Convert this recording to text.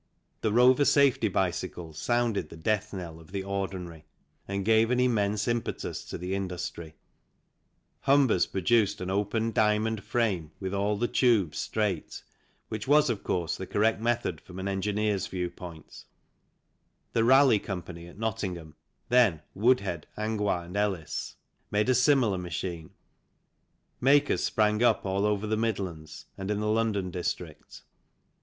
The Rover safety bicycle sounded the death knell of the " ordinary " and gave an immense impetus to the industry. EARLY HISTORY AND ORIGIN OF THE BICYCLE 15 Humbers produced an open diamond frame with all the tubes straight, which was, of course, the correct method from an engineer's view point. The Raleigh Co., at Nottingham (then Woodhead, Angois and Ellis) made a similar machine. Makers sprang up all over the Midlands and in the London district.